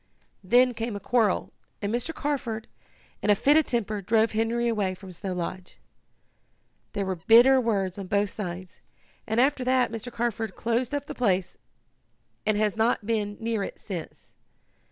Then came a quarrel, and Mr. Carford, in a fit of temper, drove Henry away from Snow Lodge. There were bitter words on both sides, and after that Mr. Carford closed up the place, and has not been near it since.